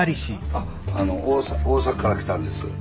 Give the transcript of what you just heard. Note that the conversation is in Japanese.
大阪から来たんです。